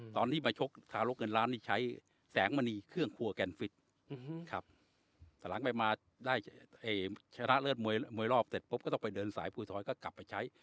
ตอนที่มาชกทารกเงินล้านนี่ใช้แสงมณีเครื่องครัวแกนฟิตครับแต่หลังไปมาได้ชนะเลิศมวยรอบเสร็จปุ๊บก็ต้องไปเดินสายภูทรก็กลับไปใช้